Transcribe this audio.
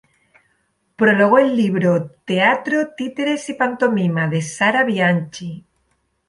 Prologó el libro "Teatro, títeres y pantomima" de Sarah Bianchi.